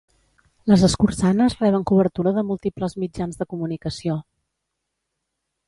Les escurçanes reben cobertura de múltiples mitjans de comunicació.